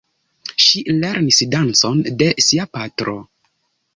Ŝi lernis dancon de sia patro.